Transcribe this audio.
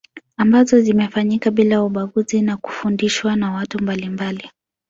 Ambazo zimefanyika bila ubaguzi na kufundishwa na watu mbalimbali